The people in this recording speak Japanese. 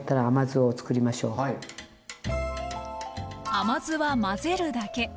甘酢は混ぜるだけ。